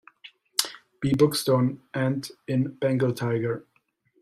B. Buckstone, and in "Bengal Tiger".